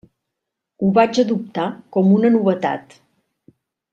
Ho vaig adoptar com una novetat.